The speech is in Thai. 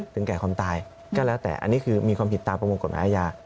แก่ความตายก็แล้วแต่อันนี้คือมีความผิดตามประมวลกฎหมายอาญา